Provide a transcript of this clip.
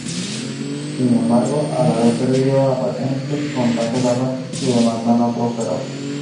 Sin embargo, al haber pedido la patente con tanta tardanza su demanda no prosperó.